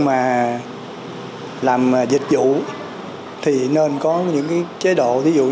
mà làm dịch vụ thì nên có những cái chất lượng phù hợp phù hợp phù hợp phù hợp phù hợp phù hợp phù hợp